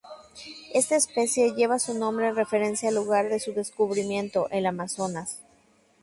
Esta especie lleva su nombre en referencia al lugar de su descubrimiento, el Amazonas.